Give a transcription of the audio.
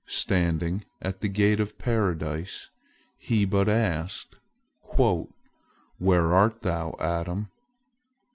Standing at the gate of Paradise, He but asked, "Where art thou, Adam?"